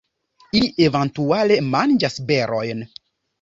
Ili eventuale manĝas berojn.